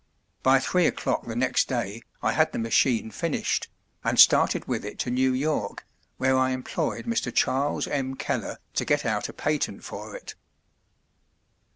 By three o'clock the next day I had the machine finished, and started with it to New York, where I employed Mr. Charles M. Keller to get out a patent for it."